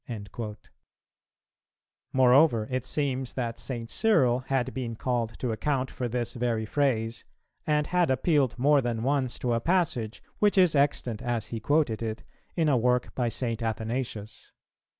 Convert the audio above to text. "[300:1] Moreover, it seems that St. Cyril had been called to account for this very phrase, and had appealed more than once to a passage, which is extant as he quoted it, in a work by St. Athanasius.